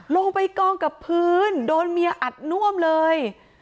ลงไปกองกับพื้นโดนเมียอัดน่วมเลย